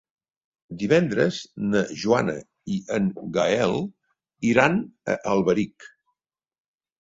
Divendres na Joana i en Gaël iran a Alberic.